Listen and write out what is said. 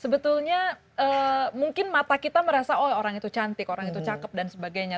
sebetulnya mungkin mata kita merasa oh orang itu cantik orang itu cakep dan sebagainya